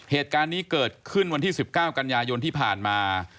เหตุการณ์นี้เกิดขึ้นวันที่๑๙กันยายนที่ผ่านมา